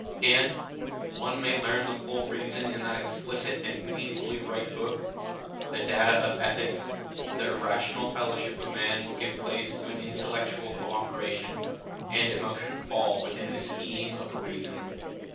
"And one may learn the full reason in that explicit and painfully right book, the Data of Ethics the irrational fellowship of man will give place to an intellectual co operation, and emotion fall within the scheme of reason.